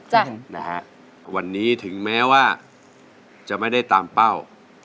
จังนะฮะวันนี้ถึงแม้ว่าจะไม่ได้ตามเป้า